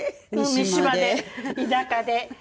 三島で田舎で。